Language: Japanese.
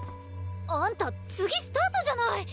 あんた次スタートじゃない！